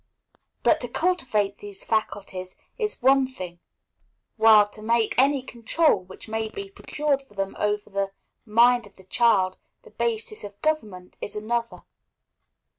But to cultivate these faculties is one thing, while to make any control which may be procured for them over the mind of the child the basis of government, is another.